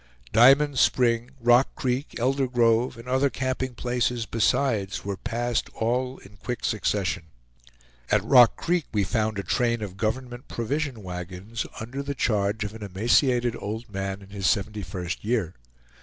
Diamond Spring, Rock Creek, Elder Grove, and other camping places besides, were passed all in quick succession. At Rock Creek we found a train of government provision wagons, under the charge of an emaciated old man in his seventy first year.